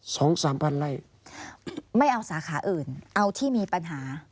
สองสามพันไร่ไม่เอาสาขาอื่นเอาที่มีปัญหา